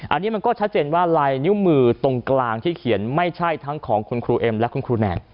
อันนี้มันก็ชัดเจนว่าลายนิ้วมือตรงกลางที่เขียนไม่ใช่ทั้งของคุณครูเอ็มและคุณครูแหน่ง